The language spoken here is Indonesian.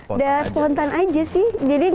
udah spontan aja sih